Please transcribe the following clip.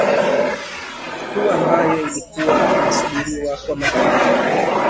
Kwenye hatua ambayo ilikuwa imesubiriwa kwa makini